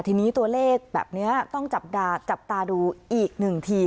ทีนี้ตัวเลขแบบนี้ต้องจับตาดูอีกหนึ่งที